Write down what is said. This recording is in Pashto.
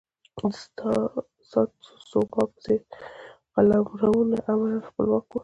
د ساتسوما په څېر قلمرونه عملا خپلواک وو.